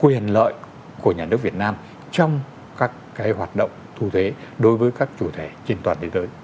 cái quyền lợi của nhà nước việt nam trong các cái hoạt động thu thế đối với các chủ thể trên toàn thế giới